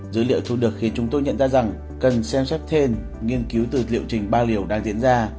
dữ liệu thu được khi chúng tôi nhận ra rằng cần xem xét thêm nghiên cứu từ liệu trình ba liều đang diễn ra